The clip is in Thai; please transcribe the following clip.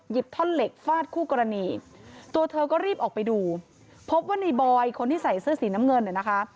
ท่อนเหล็กฟาดคู่กรณีตัวเธอก็รีบออกไปดูพบว่าในบอยคนที่ใส่เสื้อสีน้ำเงินเนี่ยนะคะ